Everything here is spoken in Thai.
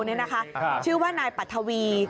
นี่นะคะชื่อว่านายปัทวี